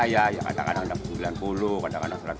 ya kadang kadang sembilan puluh kadang kadang satu ratus dua puluh